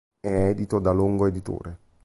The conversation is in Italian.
È edito da Longo editore.